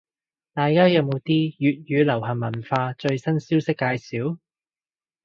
大家有冇啲粵語流行文化最新消息介紹？